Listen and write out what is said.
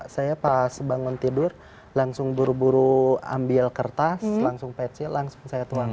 saya pas bangun tidur langsung buru buru ambil kertas langsung pecil langsung saya tuang